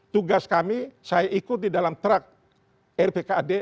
tugas kami saya ikut di dalam truk rpkad